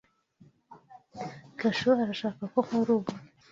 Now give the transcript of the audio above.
Gashuhe arashaka ko nkora ubu.